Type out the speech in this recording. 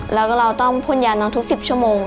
แล้วก็เราต้องพ่นยาน้องทุก๑๐ชั่วโมง